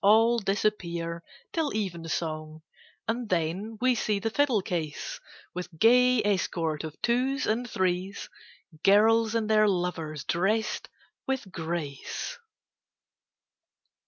All disappear till evensong, And then we see the fiddle case, With gay escort of twos and threes, Girls and their lovers drest with grace.